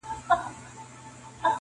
اوپر هر میدان کامیابه پر دښمن سې-